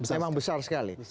memang besar sekali